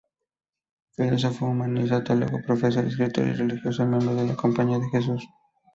Filósofo, humanista, teólogo, profesor escritor y religioso, miembro de la Compañía de Jesús.